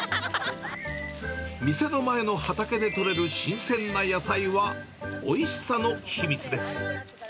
店の前の畑で取れる新鮮な野菜は、おいしさの秘密です。